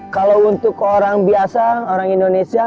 kalau untuk orang biasa orang indonesia